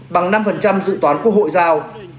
bằng năm dự toán quốc hội giao